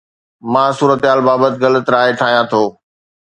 مان صورتحال بابت غلط راء ٺاهيان ٿو